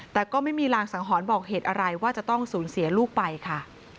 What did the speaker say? แต่ก็ไม่มีรางสังหรณ์บอกเหตุอะไรว่าจะต้องสูญเสียลูกไปค่ะ